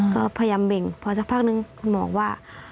ก็พยายามเบ่งพอสักพักนึงคุณหมอว่า